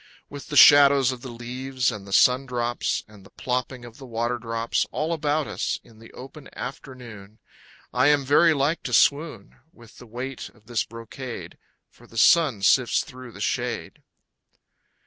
With the shadows of the leaves and the sundrops, And the plopping of the waterdrops, All about us in the open afternoon— I am very like to swoon With the weight of this brocade, For the sun sifts through the shade.